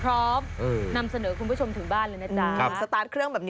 พร้อมนำเสนอคุณผู้ชมถึงบ้านเลยนะจ๊ะ